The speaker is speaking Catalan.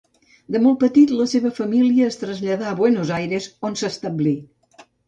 De molt petit la seva família es traslladà a Buenos Aires, on s'establí.